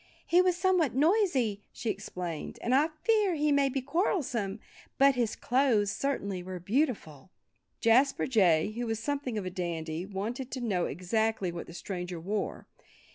"He was somewhat noisy," she explained. "And I fear he may be quarrelsome. But his clothes certainly were beautiful." Jasper Jay, who was something of a dandy, wanted to know exactly what the stranger wore.